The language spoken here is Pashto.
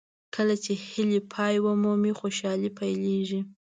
کله چې هیلې پای ومومي خوشالۍ پیلېږي.